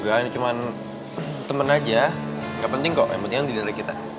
gak ini cuma temen aja gak penting kok yang penting di dalam kita